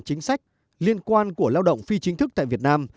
chính sách liên quan của lao động phi chính thức tại việt nam